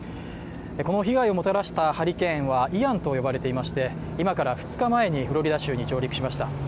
この被害をもたらしたハリケーンはイアンと呼ばれていまして今から２日前にフロリダ州に上陸しました。